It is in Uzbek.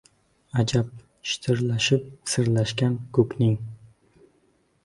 Ajab, shitirlashib sirlashgan ko‘kning